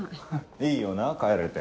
いいよなぁ帰れて。